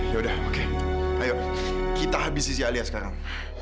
yaudah oke ayo kita habisi si alia sekarang